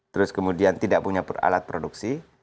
terus kemudian tidak punya alat produksi